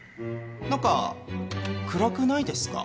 何か暗くないですか？